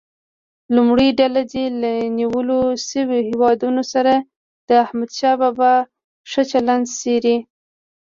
لومړۍ ډله دې له نیول شویو هیوادونو سره د احمدشاه بابا ښه چلند څېړي.